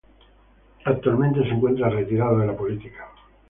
Actualmente se encuentra retirado de la política.